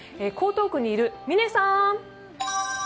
江東区にいる嶺さん。